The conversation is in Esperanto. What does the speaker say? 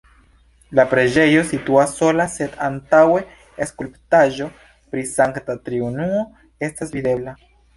La preĝejo situas sola, sed antaŭe skulptaĵo pri Sankta Triunuo estas videbla.